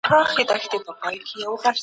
اسلام د بشریت د ژغورنې یوازینۍ لاره ده.